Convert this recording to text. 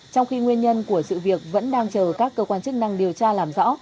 trong khi nguyên nhân của sự việc vẫn đang chờ các cơ quan chức năng điều tra làm rõ